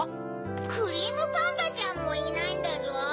クリームパンダちゃんもいないんだゾウ。